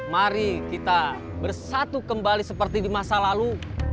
mari kita bersatu kembali seperti di masa lalu